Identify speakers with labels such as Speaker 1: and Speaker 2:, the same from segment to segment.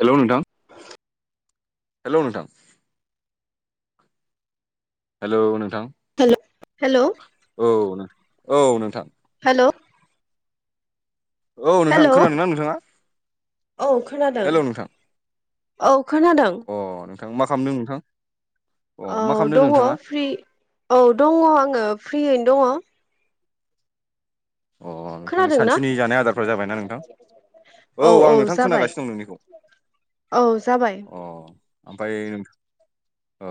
Speaker 1: Hello नोंथां हेल' नोंथां हेल' नोंथां
Speaker 2: हेल हेल'
Speaker 1: औ औ नोंथां
Speaker 2: हेल'
Speaker 1: औ नोंथां
Speaker 2: हेल'
Speaker 1: खोनादों ना नोंथाङा
Speaker 2: औ खोनादों
Speaker 1: हेलौ नोंथां
Speaker 2: औ खोनादों
Speaker 1: अ नोंथां मा खालामदों नोंथां अ मा
Speaker 2: औ
Speaker 1: खालामदों
Speaker 2: दङ
Speaker 1: नोंथाङा
Speaker 2: फ्रि औ दङ आङो फ्रियैनो दङ
Speaker 1: अ नोंथांनि
Speaker 2: खोनादों ना
Speaker 1: सानसुनि जानाय आदारफ्रा जाबायना नोंथां औ आं नोंथां खोनागासिनो दं नोंनिखौ
Speaker 2: औ जाबाय
Speaker 1: अ ओमफ्राय औ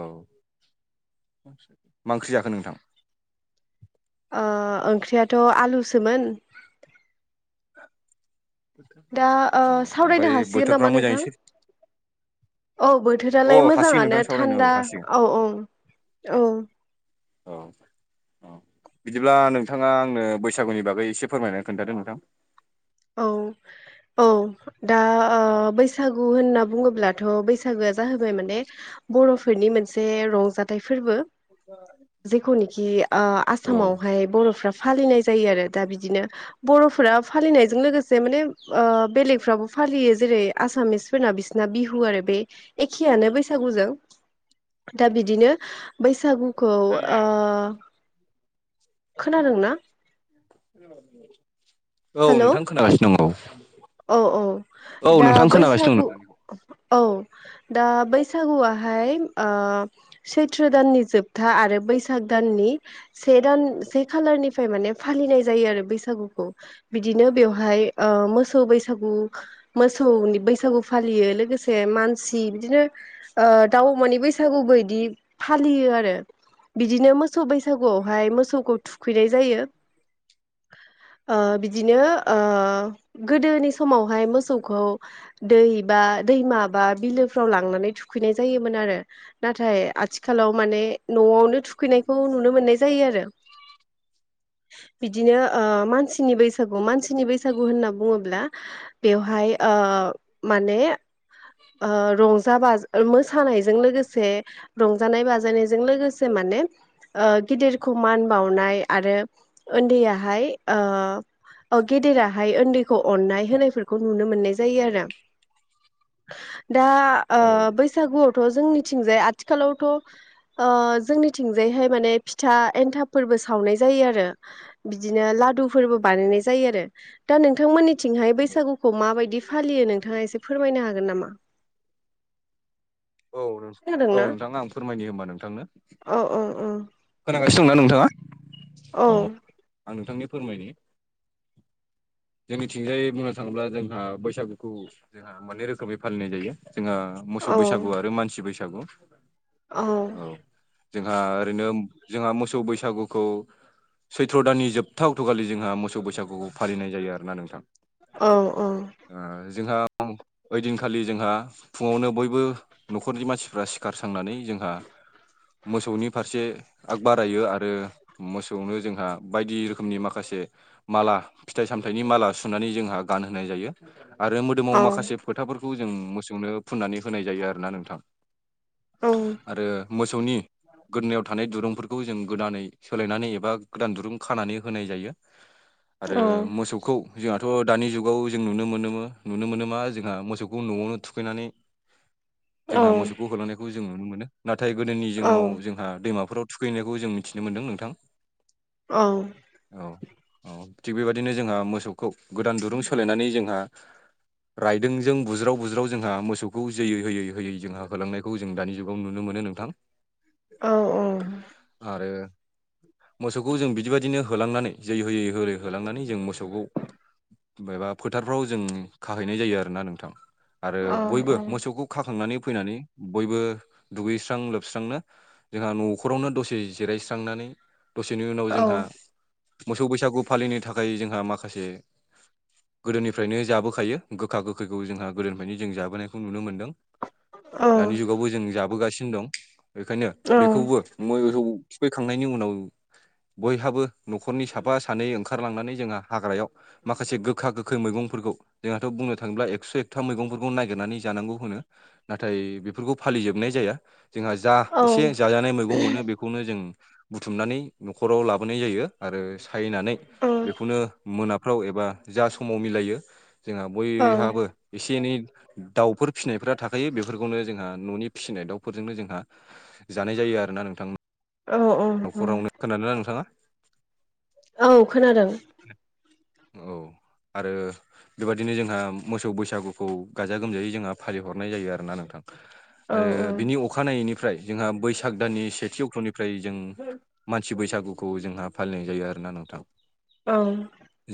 Speaker 1: मा ओंख्रि जाखो नोंथां
Speaker 2: ओ ओंख्रियाथ' आलुसोमोन। दा ओ
Speaker 1: अ ओमफ्राय
Speaker 2: सावरायनो हासिगोन
Speaker 1: बोथोरफ्रा
Speaker 2: नामा
Speaker 1: मोजाङै
Speaker 2: नोंथां?
Speaker 1: सो
Speaker 2: औ
Speaker 1: अ
Speaker 2: बोथोरालाय
Speaker 1: हासिगोन नोंथां
Speaker 2: मोजाङानो
Speaker 1: सावरायनो औ
Speaker 2: थान्दा
Speaker 1: हासिगोन
Speaker 2: औ औ औ।
Speaker 1: औ बिदिब्ला नोंथाङा आंनो बैसागुनि बागै एसे फोरमायनानै खोन्थादो नोंथां।
Speaker 2: औ औ दा ओ बैसागु होनना बुङोब्लाथ' बैसागोआ जाहोबाय माने बर'फोरनि मोनसे रंजाथाइ फोरबो। जेखौनिखि ओ
Speaker 1: औ
Speaker 2: आसामावहाय बर'फ्रा फालिनाय जायो आरो दा बिदिनो बर'फोरा फालिनाय जों लोगोसे माने ओ बेलेगफ्राबो फालियो जेरै आसामिस फोरना बिसिना बिहु आरो बे एखेयानो बैसागुजों। दा बिदिनो बैसागु खौ ओ खोनादों ना?
Speaker 1: औ
Speaker 2: हेलौ
Speaker 1: नोंथां खोनागासिनो दं औ।
Speaker 2: औ औ
Speaker 1: औ
Speaker 2: दा
Speaker 1: नोंथां खोनागासिनो
Speaker 2: बैसागु
Speaker 1: दं
Speaker 2: औ दा बैसागुआहाय ओ सैथ्र' दाननि जोबथा आरो बैसाग दाननि से दान से खालारनिफ्राय माने फालिनाय जायो आरो बैसागुखौ। बिदिनो बेवहाय ओ मोसौ बैसागु। मोसौनि बैसागु फालियो लोगोसे मानसि बिदिनो ओ दाउ अमानि बैसागुबो इदि फालियो आरो। बिदिनो मोसौ बैसागुआवहाय मोसौखौ थुखैनाय जायो। ओ
Speaker 1: नोंथां औ
Speaker 2: बिदिनो ओ गोदोनि समावहाय मोसौखौ दै बा दैमा बा बिलोफ्राव लांनानै थुखैनाय जायोमोन आरो। नाथाय आथिखालाव माने न'आवनो थुखैनायखौ नुनो मोननाय जायो आरो। बिदिनो ओ मानसिनि बैसागु मानसिनि बैसागु होनना ब्ला बेवहाय ओ माने ओ रंजा बाज मोसानायजों लोगोसे रंजानाय बाजानायजों लोगोसे माने ओ गेदेरखौ मान बावनाय आरो ओन्दैयाहाय ओ औ गेदेराहाय ओन्दैखौ अननाय होनायफोरखौ नुनो मोननाय जायो आरो। दा ओ
Speaker 1: औ
Speaker 2: बैसागु थ' जोंनिथिंजाय आथिखालावथ' ओ जोंनिथिंजायहाय माने फिथा एथाब फोरबो सावनाय जायो आरो बिदिनो लादुफोरबो बानायनाय जायो आरो दा नोंथांमोननि थिंहाय बैसागुखौ मा बायदि फालियो नोंथाङा एसे फोरमायनो हागोन नामा?
Speaker 1: औ नों औ
Speaker 2: खोनादोंना?
Speaker 1: नोंथां आं फोरमायनि होमबा नोंथांनो।
Speaker 2: औ औ औ
Speaker 1: खोनागासिनो दंना नोंथाङा? औ आं नोंथांनि फोरमायनि। जोंनिथिंजायै बुंनो थाङोब्ला जोंहा बैसागुखौ जोंहा मोननै रोखोमै फालिनाय जायो। जोंहा मोसौ बैसागु आरो मानसि बैसागु औ।
Speaker 2: खोनादों औ
Speaker 1: जोंहा ओरैनो जोंहा मोसौ बैसागुखौ सैथ्र' दाननि जोबथा अक्ट'खालि जोंहा मोसौ बैसागुखौ फालिनाय जायो आरोना नोंथां।
Speaker 2: औ औ।
Speaker 1: ओ जोंहा ओइदिनखालि जोंहा फुङावनो बयबो न'खरनि मानसिफ्रा सिखारसांनानै जोंहा मोसौनि फारसे आग बारायो आरो मोसौनो जोंहा बायदि रोखोमनि माखासे माला फिथाइ सामथाइनि माला सुनानै जोंहा गानहोनाय जायो आरो मोदोमाव माखासे
Speaker 2: औ
Speaker 1: फोथाफोरखौ जों मोसौनो फुननानै होनाय जायो आरोना नोंथां‌।
Speaker 2: औ
Speaker 1: आरो मोसौनि गोदोनायाव थानाय दुरुंफोरखौ जों गोदानै सोलायनानै एबा गोदान दुरुं खानानै होनाय जायो। आरो
Speaker 2: औ
Speaker 1: मोसौ खौ जोंहाथ' दानि जुगाव जों नुनो मोनोमो नुनो मोन मा जोंहा मोसौखौ न'आवनो थुखैनानै
Speaker 2: औ
Speaker 1: जोंहा मोसौखौ होलांनायखौ जों नुनो मोनो नाथाय गोदोनि जिङाव जोंहा दैमाफोराव थुखैनायखौ जों मिथिनो मोन्दों नोंथां।
Speaker 2: औ
Speaker 1: औ औ थिग बेबादिनो जोंहा मोसौखौ गोदान दुरुं सोलायनानै जोंहा रायदोंजों बुज्राव बुज्राव जोंहा मोसौखौ जै होयै होयै जोंहा होलांनायखौ जों दानि जुगाव नुनो मोनो नों थां आरो मोसौखौ जों बिदिबायदिनो होलांनानै जै होयै होयै होलांनानै जों मोसौखौ बयबा फोथारफ्राव जों खाहैनाय जायो आरोना नोंथां आरो बयबो मोसौखौ खाखांनानै फैनानै बयबो दुगैस्रां लोबस्रांनो जोंहा न'खरावनो दसे जिरायस्रांनानै दसेनि उनाव जोंहा मोसौ बैसागु फालिनो थाखाय जोंहा माखासे गोदोनिफ्रायनो जाबोखायो गोखा गोखैखौ जोंहा गोदोनिफ्रायनो जों जाबोनायखौ नुनो मोन्दों। दानि जुगावबो जों जाबोगासिनो दं बेखायनो बेखौबो मोसौ थुखैखांनायनि उनाव बयहाबो न'खरनि साफा सानै ओंखारलांनानै जोंहा हाग्रायाव माखासे गोखा गोखै मैगंफोरखौ जोंहाथ' बुंनो थाङोब्ला एकस' एकथा मैगंफोरखौ नागिरनानै जानांगौ होनो। नाथाय बेफोरखौ फालिजोबनाय जाया। जोंहा जा एसे जाजानाय मैगं मोनो बेखौनो जों बुथुमनानै न'खराव लाबोनाय जायो आरो सायनानै बेखौनो मोनाफ्राव एबा जा समाव मिलायो जोंहा बयहाबो एसे एनै दाउफोर फिसिनायफ्रा थाखायो बेफोरखौनो जोंहा न'नि फिसिनाय दाउफोरजोंनो जोंहा जानाय जायो आरो ना नोंथांमो
Speaker 2: औ अ अ
Speaker 1: खोनादोंना नोंथाङा
Speaker 2: औ खोनादों
Speaker 1: [unintelligible] औ आरो बेबायदिनो जोंहा मोसौ बैसागुखौ गाजा गोमजायै जोंहा फालिहरनाय जायो आरोना नोंथां।
Speaker 2: औ
Speaker 1: आरो बिनि अखानायैनिफ्राय जोंहा बैसाग दाननि सेथि अक्ट'निफ्राय जों मानसि बैसागुखौ जोंहा फालिनाय जायो आरोना नोंथां।
Speaker 2: औ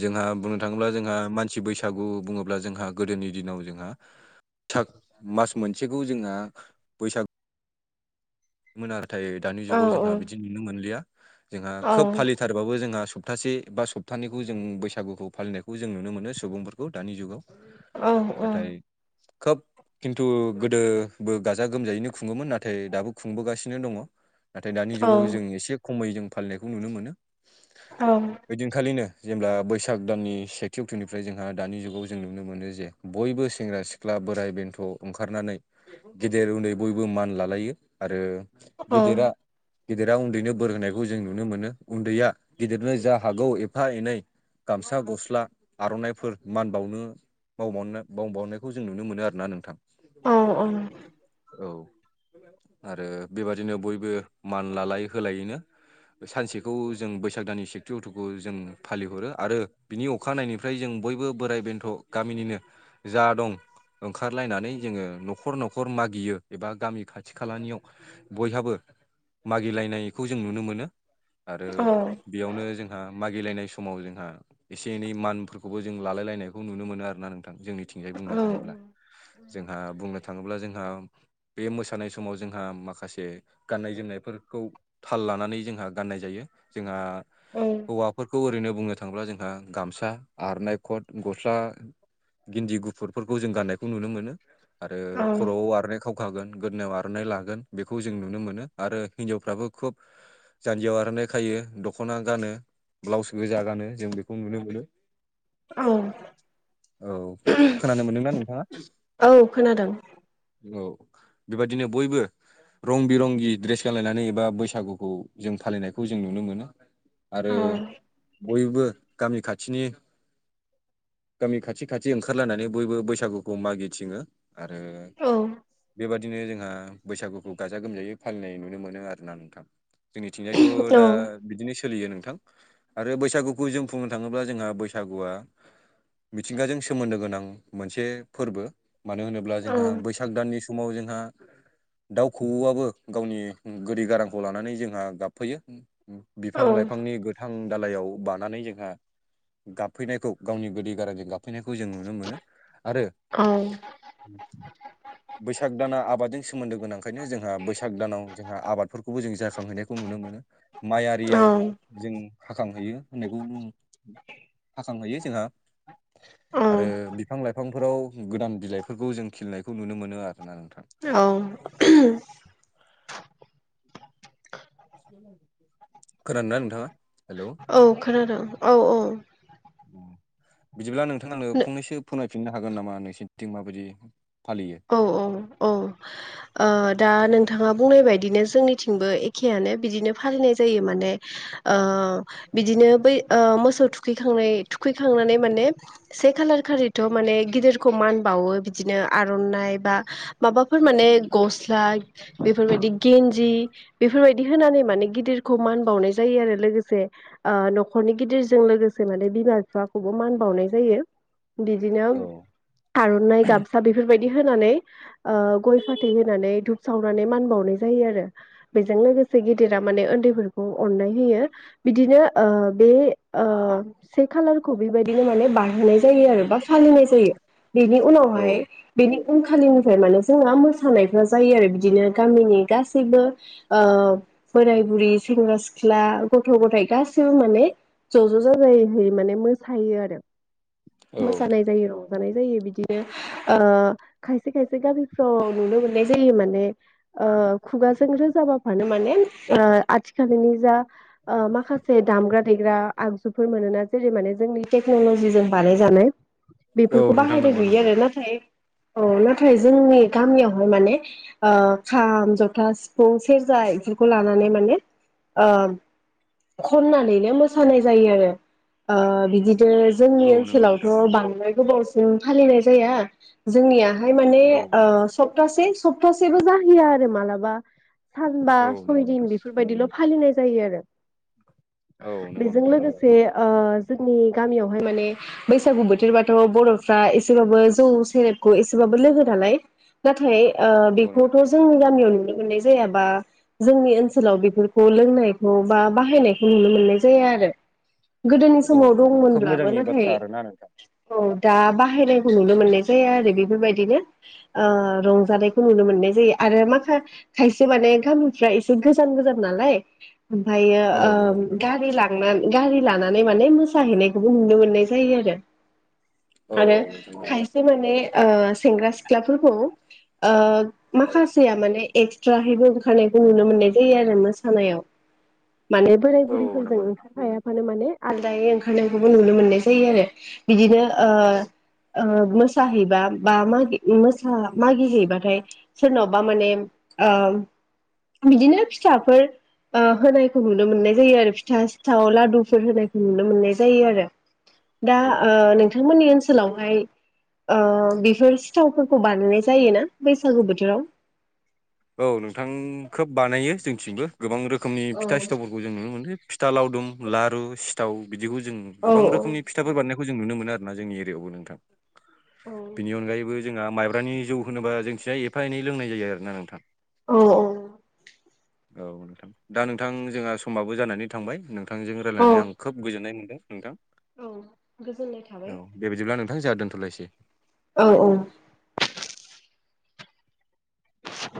Speaker 1: जोंहा बुंनो थाङोब्ला जोंहा मानसि बैसागु बुङोब्ला जोंहा गोदोनि दिनाव जोंहा थाख मास मोनसेखौ जोंहा बैसाग मोन आरो थाय दानि
Speaker 2: औ
Speaker 1: जुगाव जोंहा बिदि नुनो मोनलिया जोंहा खोब फालि सारबाबो जोंहा सप्तासे बा सप्तानैखौ जों बैसागुखौ फालिनायखौ जों नुनो मोनो सुबुंफोरखौ दानि जुगाव
Speaker 2: औ
Speaker 1: नाथाय खोब खिन्थु गोदो बो गाजा गोमजायैनो खुङोमोन नाथाय दाबो खुंबोगासिनो दङ नाथाय दानि
Speaker 2: औ
Speaker 1: जुगाव जों एसे खमै जों फालिनायखौ नुनो मोनो।
Speaker 2: औ
Speaker 1: ओइदिनखालिनो जेब्ला बैसाग दाननि सेथि अक्ट'निफ्राय जोंहा दानि जुगाव जों नुनो मोनो जे बयबो सेंग्रा सिख्ला बोराइ बेन्थ' ओंखारनानै गेदेर उन्दै बयबो मान लालायो आरो गिदिरा गेदेरा उन्दैनो बोर होनायखौ जों नुनो मोनो उन्दैया गिदिरनो जा हागौ एफा एनै गामसा गस्ला आर'नाइफोर मान बावनो मावबाननो बावबावनायखौ जों नुनो मोनो आरो ना नोंथां
Speaker 2: औ औ
Speaker 1: औ आरो बेबादिनो बयबो मान लालायो होलायैनो सानसेखौ जों बैसाग दाननि सेथि अटुखौ जों फालिहरो आरो बिनि अ अखानायनिफ्राय जों बयबो बोराइ बेन्थ' गामिनिनो जा दं ओंखारलायनानै जोङो न'खर न'खर मागियो एबा गामि खाथि खाथि खालानियाव बयहाबो मागिलायनायखौ जों नुनो मोनो। आरो बेयावनो जोंहा मागिलायनाय समाव जोंहा एसे एनै मानफोरखौबो जों लालाय लायनायखौ नुनो मोनो आरोना [unintelligible] जोंनिथिंजाय बुंनो थाङोब्ला। जोंहा बुंनो थाङोब्ला जोंहा बे [unintelligible] थानाय समाव जोंहा माखासे गाननाय जोमनायफोरखौ थाल लानानै जोंहा गाननाय जायो। जोंहा हौवाफोरखौ ओरैनो बुनो [unintelligible] थांब्ला जोंहा गामसा आरनाइ खथ गस्ला गिन्दि गुफुर फुटफोरखौ जों गान्नायखौ नुनो मोनो आरो खर'आव आरनाय खावखागोन। गोदोनायाव आर'नाइ लागोन बेखौ जों नुनो मोनो आरो हिन्जावफ्राबो खुब जान्जियाव आर'नाइ खायो दख'ना गानो। ब्लाउस गोजा गानो जों बेखौ नुनो मोनो। औ खोनानो मोनदोंना नोंथाङा?
Speaker 2: औ खोनादों
Speaker 1: औ। बेबायदिनो बयबो रं बिरंगि ड्रेस गानलायनानै एबा बैसागुखौ जों फालिनायखौ जों नुनो मोनो। आरो बयबो गामि खाथिनि गामि खाथि खाथि ओंखारलानानै बयबो बैसागुखौ मागिथिङो आरो बेबादि बिदिनो जोंहा बैसागुखौ गाजा गोमजायै फालिनाय नुनो मोनो आरो ना नोंथां।
Speaker 2: औ
Speaker 1: जोंनिथिंजायथ'
Speaker 2: औ
Speaker 1: दा
Speaker 2: औ
Speaker 1: बिदिनो सोलियो नोंथां आरो बैसागुखौ जों बुंनो थाङोब्ला जोंहा बैसागुआ मिथिंगाजों सोमोन्दो गोनां मोनसे फोरबो मानो होनोब्ला
Speaker 2: औ
Speaker 1: जोंहा बैसाग दाननि समाव जों जोंहा दाउ खौवौआबो गावनि गोदै गारांखौ लानानै जोंहा गाबफैयो। बिफां
Speaker 2: औ
Speaker 1: -लाइफांनि गोथां दालायाव बानानै जोंहा गाबफैनायखौ गावनि गोदै गारांजों गाब -फैनायखौ जों नुनो मोनो आरो
Speaker 2: औ
Speaker 1: बैसाग -दाना आबादजों सोमोन्दो गोनांखायनो जोंहा बैसाग दानाव जोंहा आबादफोरखौबो जों जाखांहैनायखौ नुनो मोनो। माइ आरिया जों हाखांहैयो होननायखौ हाखांहैयो जोंहा।
Speaker 2: औ
Speaker 1: आरो बिफां- लाइफांफोराव गोदान बिलाइफोरखौ जों खिलिनायखौ नुनो मोनो आरो। [unintelligible]
Speaker 2: औ।
Speaker 1: खोनादोंना नोंथाङा? हेलौ
Speaker 2: औ खोनादों औ औ।
Speaker 1: बिदिब्ला नोंथांनो फंनैसो फोरमाय -फिननो हागोन नामा नोंसिनिथिं माबायदि फालियो?
Speaker 2: औ औ औ। ओ दा नोंथाङा बुंनाय बायदिनो जोंनिथिंबो एखेयानो बिदिनो फालिनाय जायो माने। ओ बिदिनो बै मोसौ थुखैखांनाय थुखैखांनानै माने से खालार खारिथ' माने गिदिरखौ मान बावो बिदिनो आरो आर'नाय बा माबाफोर माने गस्ला बेफोरबादि गेनजि जि बेफोरबायदि होनानै माने गिदिरखौ मान बावनाय जायो आरो लोगोसे न'खरनि गिदिरजों लोगोसे माने बिमा -बिफाखौबो मान बावनाय जायो। बिदिनो
Speaker 1: औ
Speaker 2: आर'नाइ गामसा बेबायदि होनानै ओ गय फाथै होनानै धुप सावनानै मान बावनाय जायो आरो। बेजों लोगोसे गिदिरा माने उन्दैफोरखौ अननाय होयो। बिदिनो बे से खालारखौ बेबायदिनो माने बारहोनाय जायो आरो बा फालिनाय जायो बेनि
Speaker 1: औ
Speaker 2: उनावहाय बेनि उनखालिनिफ्राय माने जोंहा मोसानायफ्रा जायो आरो बिदिनो गामिनि गासैबो ओ बोराय बुरि सेंग्रा सिख्ला गथ' गथाइ गासिबो माने ज' ज' जाजायै माने मोसायो आरो। मोसानाय जायो रंजानाय जायो बिदिनो ओ खायसे खायसे गामिफ्राव नुनो मोननाय जायो माने ओ खुगाजों रोजाबाफानो माने आथिखालनि जा माखासे से दामग्रा देग्रा आगजुफोर मोनोना जेरै माने जोंनि टेक्न'ल'जिजों बानायजानाय
Speaker 1: औ
Speaker 2: बेफोरखौ
Speaker 1: नोंथां
Speaker 2: बाहायनाय
Speaker 1: नंगौ
Speaker 2: नुयो
Speaker 1: नंगौ
Speaker 2: आरो नाथाय औ नाथाय जोंनि गामियावहाय माने ओ खाम जथा सिफुं सेरजा बेफोरखौ लानानै माने ओ खननानैनो मोसानाय जायो आरो ओ बिदिनो जोंनि
Speaker 1: औ नंगौ नोंथां
Speaker 2: ओनसोलावथ'
Speaker 1: नंगौ
Speaker 2: बांद्राय गोबावसिम फालिनाय जाया जोंनिया बाहाय माने
Speaker 1: औ
Speaker 2: ओ सप्तासे सप्तासेबो जाहैया आरो मालाबा। सानबा
Speaker 1: औ
Speaker 2: सय
Speaker 1: नंगौ
Speaker 2: दिन
Speaker 1: नोंथां
Speaker 2: बेफोरबायदिल' फालिनाय जायो आरो।
Speaker 1: औ नंगौ
Speaker 2: बेजों
Speaker 1: नोंथां औ
Speaker 2: लोगोसे ओ जोंनि गामियावहाय माने बैसागु बोथोरबाथ' बर'फ्रा एसेबाबो जौ सेरेब खौ एसेबाबो लोगो नालाय नाथाय ओ
Speaker 1: नंगौ नोंथां
Speaker 2: बेखौथ' जोंनि गामियाव नुनो मोननाय जाया बा जोंनि ओनसोलाव बेफोरखौ लोंनायखौ बा बाहायनायखौ नुनो मोननाय जाया आरो। गोदोनि
Speaker 1: औ
Speaker 2: समाव
Speaker 1: नोंथां खोब
Speaker 2: दंमोनब्लाबो
Speaker 1: मोजांनि
Speaker 2: नाथाय
Speaker 1: बाथ्रा आरोना नोंथां
Speaker 2: औ दा बाहायनायखौ नुनो मोननाय जाया आरो बेफोरबायदिनो। ओ रंजानायखौ नुनो मोननाय जायो आरो माखा खायसे माने गामिफ्रा एसे गोजान गोजान नालाय ओमफ्रायो
Speaker 1: औ
Speaker 2: ओ
Speaker 1: नंगौ नोंथां
Speaker 2: गारि ला थांना गारि लानानै माने मोसाहैनायखौबो नुनो मोननाय जायो आरो।
Speaker 1: औ
Speaker 2: आरो
Speaker 1: औ नोंथां नंगौ
Speaker 2: खायसे माने ओ सेंग्रा सिख्लाफोरखौ ओ
Speaker 1: औ
Speaker 2: माखासेया माने एक्सट्राहैबो ओंखारानायखौ नुनो मोननाय जायो आरो मोसानायाव माने बोराय
Speaker 1: औ
Speaker 2: बुरिफोरजों
Speaker 1: नंगौ नोंथां
Speaker 2: ओंखारफाया मानो माने आलदायै ओंखारनायखौबो नुनो मोननाय जायो आरो बिदिनो ओ
Speaker 1: औ
Speaker 2: ओ मोसाहैबा बा मागि मोसा मागिहैबाथाय सोरनावबा माने ओ बिदिनो फिथाफोर ओ होनायखौ नुनो मोननाय जायो आरो फिथा सिथाव लादुफोर होनायखौ नुनो मोननाय जायो आरो। दा
Speaker 1: औ
Speaker 2: ओ
Speaker 1: औ
Speaker 2: नोंथांमोननि ओनसोलावहाय ओ बेफोर सिथावफोरखौ बानायनाय जायो ना बैसागु बोथोराव?
Speaker 1: औ नोंथां खोब बानायो जोंनिथिंबो गोबां रोखोमनि
Speaker 2: औ
Speaker 1: फिथा सिथाव जों नुनो मोनदो फिथा लावदुम लारु सिथाव बिदिखौ जों
Speaker 2: औ
Speaker 1: गोबां
Speaker 2: औ
Speaker 1: रोखोमनि फिथाफोर बानायनायखौ जों नुनो मोनो आरोना जोंनि एरियायावबो नोंथां। बेनि
Speaker 2: औ
Speaker 1: अनगायैबो जोंहा माइब्रानि जौ होनोबा जोंथिहाय एफा एनै लोंनाय जायो आरोना नोंथां।
Speaker 2: औ औ।
Speaker 1: औ नोंथां दा नोंथां जोंहा समाबो जानानै थांबाय नोंथां। नोंथांजों
Speaker 2: औ
Speaker 1: रायलायनानै आं खोब गोजोननाय मोन्दों नोंथां।
Speaker 2: औ गोजोननाय
Speaker 1: औ
Speaker 2: थाबाय।
Speaker 1: दे बिदिब्ला नोंथां जाहा दोनथ'लायनोसै‌।
Speaker 2: औ औ। [inaudible]